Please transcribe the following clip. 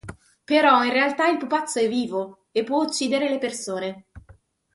Però in realtà il pupazzo è vivo e può uccidere le persone.